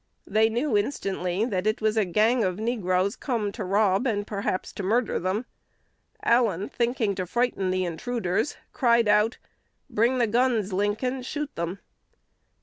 They knew instantly that it was a gang of negroes come to rob, and perhaps to murder them. Allen, thinking to frighten the intruders, cried out, "Bring the guns, Lincoln; shoot them!"